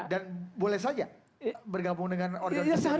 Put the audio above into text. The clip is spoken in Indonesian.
dan boleh saja bergabung dengan organ organ seperti ini